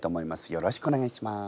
よろしくお願いします。